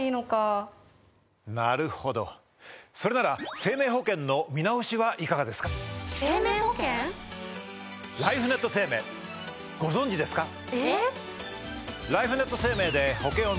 なるほどそれなら生命保険の見直しはいかがですか？